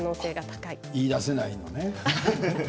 言いだせないのね。